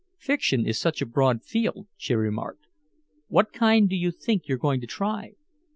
"Fiction is such a broad field," she remarked. "What kind do you think you're going to try?"